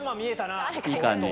いい感じ